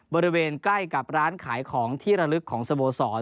บริเวณใกล้กับร้านขายของที่ระลึกของสโมสร